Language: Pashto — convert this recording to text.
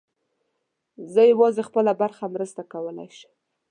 موږ یوازې خپله برخه مرسته کولی شو.